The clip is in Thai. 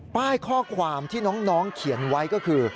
ป้ายข้อความที่น้องเขียนไว้ก็คือ